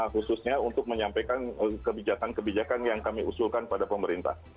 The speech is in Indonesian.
khususnya untuk menyampaikan kebijakan kebijakan yang kami usulkan pada pemerintah